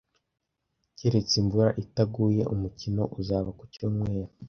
Keretse imvura itaguye, umukino uzaba ku cyumweru.